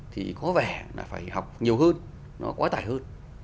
thì có vẻ là phải học nhiều hơn nó quá tải hơn